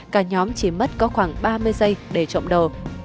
cả nhóm chỉ mất có khoảng ba mươi giây để trộm đồ